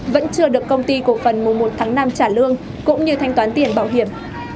vẫn chưa được công ty cổ phần mùa một tháng năm trả lương cũng như thanh toán tiền bảo hiểm